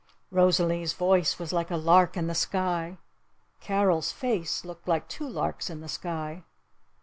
Rosalee's voice was like a lark in the sky. Carol's face looked like two larks in the sky.